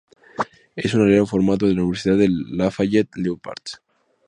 Es un alero formado en la universidad de Lafayette Leopards.